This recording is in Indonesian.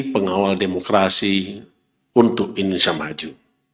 pengawal demokrasi untuk indonesia maju